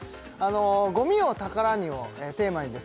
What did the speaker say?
「ごみを宝に！」をテーマにですね